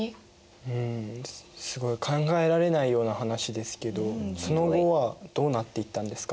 うんすごい考えられないような話ですけどその後はどうなっていったんですか？